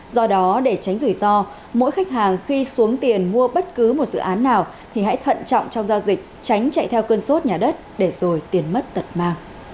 do đó để tránh rủi ro mỗi khách hàng khi xuống tiền mua bất cứ một dự án nào thì hãy thận trọng trong giao dịch tránh chạy theo cơn sốt nhà đất để rồi tiền mất tật ma